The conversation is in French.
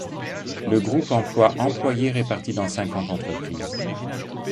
Le groupe emploie employés répartis dans cinquante entreprises.